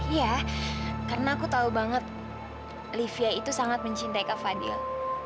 iya karena aku tahu banget livia itu sangat mencintai kak fadil